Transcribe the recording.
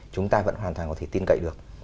chúng ta vẫn hoàn toàn có thể tin cậy được